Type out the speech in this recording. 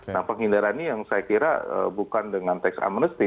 nah penghindaran ini yang saya kira bukan dengan tax amnesty